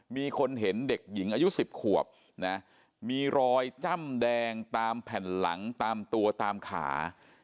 มีคนเห็นเด็กหญิงอายุ๑๐ขวบนะมีรอยจ้ำแดงตามแผ่นหลังตามตัวตามขา